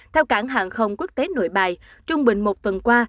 theo cảng hàng không quốc tế nội bài trung bình một tuần qua